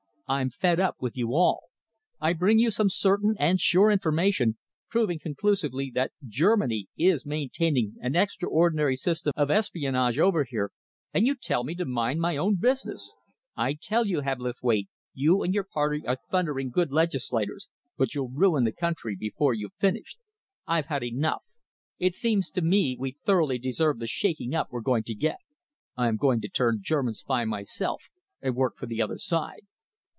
I'm fed up with you all. I bring you some certain and sure information, proving conclusively that Germany is maintaining an extraordinary system of espionage over here, and you tell me to mind my own business. I tell you, Hebblethwaite, you and your Party are thundering good legislators, but you'll ruin the country before you've finished. I've had enough. It seems to me we thoroughly deserve the shaking up we're going to get. I am going to turn German spy myself and work for the other side."